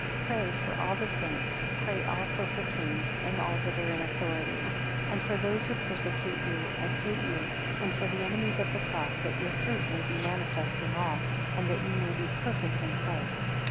12 Pray for all the saints: pray also for kings, and all that are in authority; and for those who persecute you, and hate you, and for the enemies of the cross; that your fruit may be manifest in all; and that ye may be perfect in Christ.